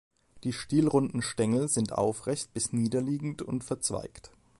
Die stielrunden Stängel sind aufrecht bis niederliegend und verzweigt.